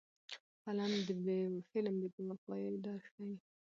فلم د بې وفایۍ درد ښيي